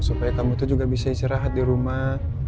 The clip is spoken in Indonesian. supaya kamu tuh juga bisa istirahat di rumah